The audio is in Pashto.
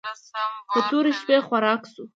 په تورې شپې خوراک شو.